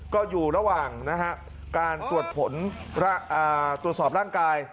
ก็อยู่ระหว่างการตรวจผลตรวจสอบร่างกาย